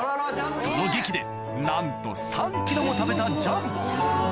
そのげきでなんと３ｋｇも食べたジャンボハハハ！